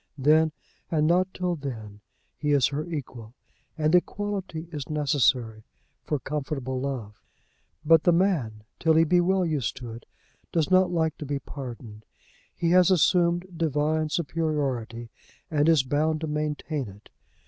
Then, and not till then, he is her equal; and equality is necessary for comfortable love. But the man, till he be well used to it, does not like to be pardoned. He has assumed divine superiority, and is bound to maintain it.